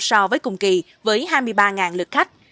so với cùng kỳ với hai mươi ba lực khách